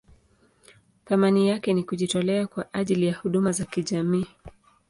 Thamani yake ni kujitolea kwa ajili ya huduma za kijamii.